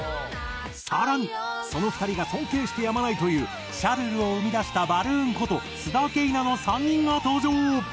更にその２人が尊敬してやまないという『シャルル』を生み出したバルーンこと須田景凪の３人が登場！